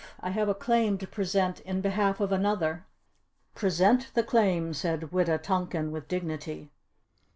I have a claim to present in behalf of another." "Present the claim," said Wita tonkan with dignity.